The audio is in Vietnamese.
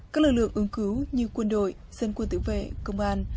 các lực lượng ứng cứu như quân đội dân quân tự vệ công an